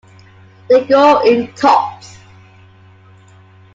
They grow in tufts.